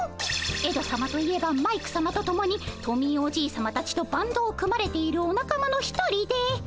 エドさまと言えばマイクさまとともにトミーおじいさまたちとバンドを組まれているお仲間の一人で。